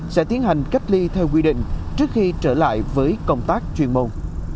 sẽ tiến hành cách ly theo quy định trước khi trở lại với công tác chuyên môn